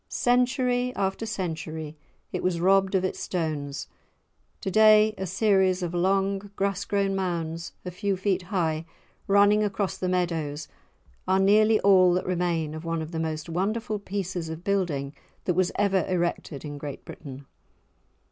Century after century it was robbed of its stones; to day a series of long grass grown mounds, a few feet high, running across the meadows, are nearly all that remain of one of the most wonderful pieces of building that was ever erected in Great Britain.